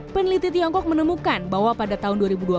peneliti tiongkok menemukan bahwa pada tahun dua ribu dua puluh